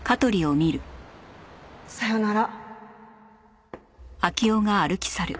さようなら。